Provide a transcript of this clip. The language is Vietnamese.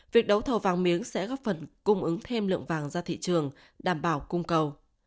việc đấu thầu vàng miếng sẽ góp phần cung ứng thêm lượng vàng ra thị trường đảm bảo cung cầu